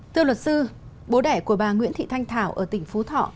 thưa luật sư bố đẻ của bà nguyễn thị thanh thảo ở tỉnh phú thọ